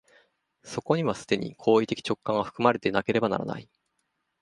そこには既に行為的直観が含まれていなければならない。